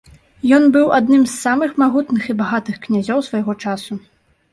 Ён быў быў адным з самых магутных і багатых князёў свайго часу.